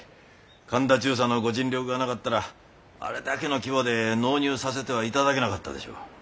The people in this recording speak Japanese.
神田中佐のご尽力がなかったらあれだけの規模で納入させてはいただけなかったでしょう。